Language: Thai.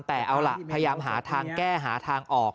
แต่เอาล่ะพยายามหาทางแก้หาทางออก